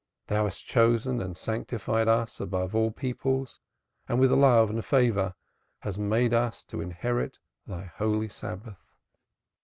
Thou hast chosen and sanctified us above all peoples and with love and favor hast made us to inherit Thy holy Sabbath...."